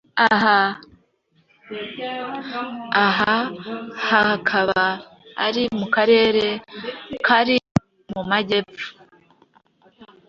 aha hakaba ari mu karere kari mu majyepfo